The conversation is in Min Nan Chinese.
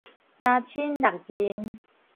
三親六認